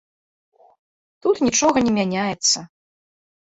Тут нічога не мяняецца.